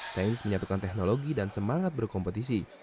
sains menyatukan teknologi dan semangat berkompetisi